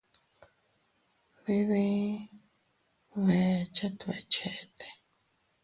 Diidin bee chet beʼe chete.